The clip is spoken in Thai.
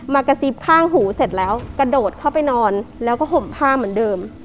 กระซิบข้างหูเสร็จแล้วกระโดดเข้าไปนอนแล้วก็ห่มผ้าเหมือนเดิม